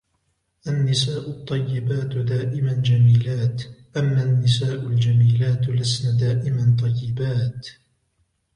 النساء الطيبات دائما جميلات, أما النساء الجميلات لسن دائما طيبات.